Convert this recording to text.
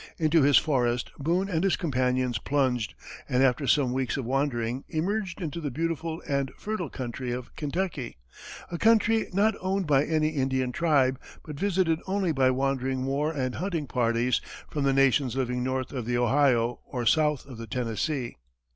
Into this forest, Boone and his companions plunged, and after some weeks of wandering, emerged into the beautiful and fertile country of Kentucky a country not owned by any Indian tribe, but visited only by wandering war and hunting parties from the nations living north of the Ohio or south of the Tennessee.